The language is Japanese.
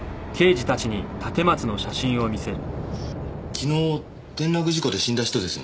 昨日転落事故で死んだ人ですよね？